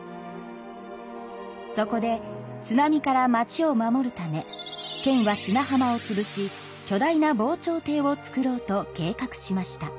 そこで津波から町を守るため県は砂浜をつぶし巨大な防潮堤を造ろうと計画しました。